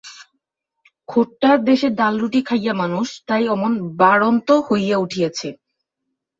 খোট্টার দেশে ডালরুটি খাইয়া মানুষ, তাই অমন বাড়ন্ত হইয়া উঠিয়াছে।